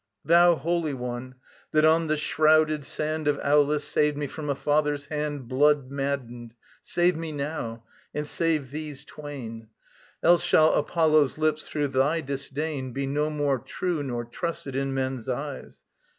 ] Thou Holy One, that on the shrouded sand Of Aulis saved me from a father's hand Blood maddened, save me now, and save these twain. Else shall Apollo's lips, through thy disdain, Be no more true nor trusted in men's eyes.